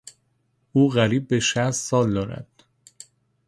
او قریب به شصت سال دارد.